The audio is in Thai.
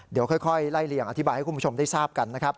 เดี๋ยวค่อยไล่เลี่ยงอธิบายให้คุณผู้ชมได้ทราบกันนะครับ